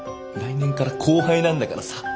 来年から後輩なんだからさ。